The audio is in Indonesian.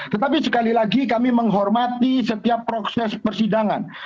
tetapi sekali lagi kami menghormati setiap proses persidangan